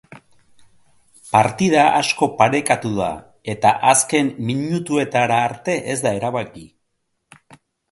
Partida asko parekatu da eta azken minutuetara arte ez da erabaki.